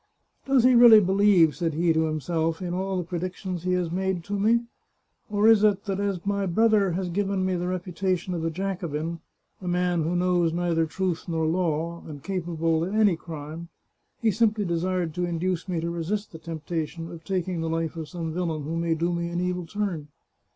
" Does he really believe," said he to himself, " in all the predictions he has made to me ? Or is it that as my brother has given me the reputation of a Jacobin, a man who knows neither truth nor law, and capa ble of any crime, he simply desired to induce me to resist the temptation of taking the life of some villain who may do me an evil turn